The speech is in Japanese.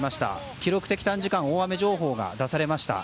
記録的短時間大雨情報が出されました。